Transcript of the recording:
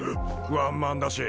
ワンマンだし。